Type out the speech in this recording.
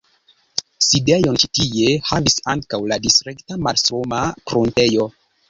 Sidejon ĉi tie havis ankaŭ la Distrikta mastruma pruntejo.